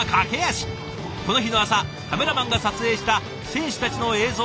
この日の朝カメラマンが撮影した選手たちの映像を届けに向かったのは。